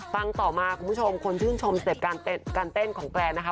ฟังต่อมาคุณผู้ชมคนชื่นชมสเต็ปการเต้นของแฟนนะคะ